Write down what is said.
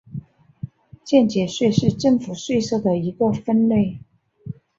间接税是政府税收的一个分类。